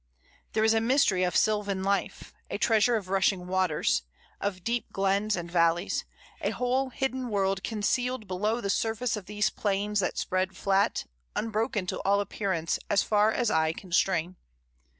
There is a mystery of sylvan life, a treasure of rushing waters, of deep glens and valleys, a whole hidden world concealed below the surface of these plains that spread flat, unbroken to all appearance as far as eye can strain.